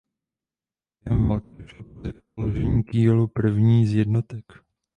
Během války došlo pouze k položení kýlu první z jednotek.